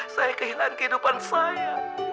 saya kehilangan kehidupan saya